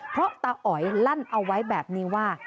เพราะตาอ๋อยลั่นเอาไว้แบบนี้ว่า